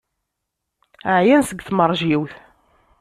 Ɛyan seg tmeṛjiwt.